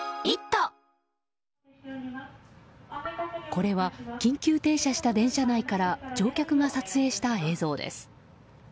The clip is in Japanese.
これは緊急停車した電車内から乗客が撮影した映像です。